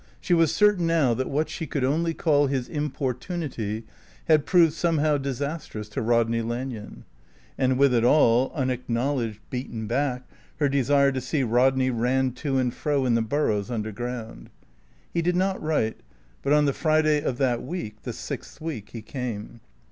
She was certain now that what she could only call his importunity had proved somehow disastrous to Rodney Lanyon. And with it all, unacknowledged, beaten back, her desire to see Rodney ran to and fro in the burrows underground. He did not write, but on the Friday of that week, the sixth week, he came.